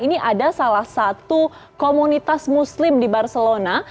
ini ada salah satu komunitas muslim di barcelona